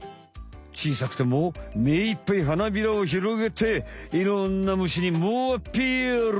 ちいさくてもめいっぱい花びらをひろげていろんな虫にもうアピール。